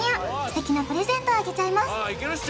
ステキなプレゼントをあげちゃいます